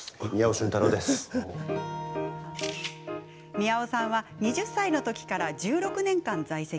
宮尾さんは、２０歳の時から１６年間在籍。